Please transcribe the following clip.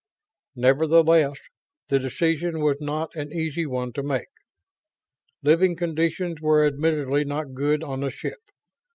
Nevertheless, the decision was not an easy one to make. Living conditions were admittedly not good on the ship.